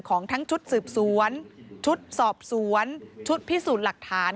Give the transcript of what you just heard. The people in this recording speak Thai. ของทั้งชุดสืบสวนชุดสอบสวนชุดพิสูจน์หลักฐาน